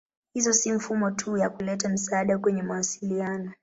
Hizo si mifumo tu ya kuleta msaada kwenye mawasiliano.